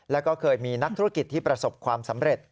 แล้วก็เคยมีนักธุรกิจที่ประสบความสำเร็จ